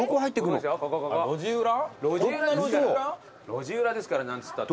路地裏ですから何つったって。